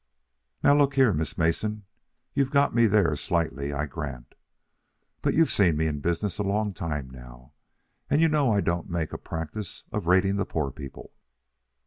"Now look here, Miss Mason, you've got me there slightly, I grant. But you've seen me in business a long time now, and you know I don't make a practice of raiding the poor people.